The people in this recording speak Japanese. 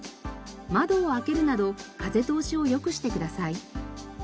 窓を開けるなど風通しを良くしてください。